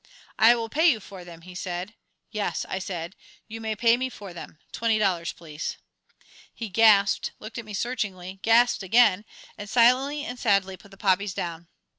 "I will pay you for them," he said. "Yes," I said, "you may pay me for them. Twenty dollars, please." He gasped, looked at me searchingly, gasped again, and silently and sadly put the poppies down.